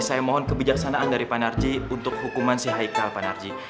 saya mohon kebijaksanaan dari pak narji untuk hukuman si haikal pak narji